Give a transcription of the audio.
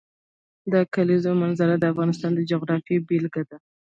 د کلیزو منظره د افغانستان د جغرافیې بېلګه ده.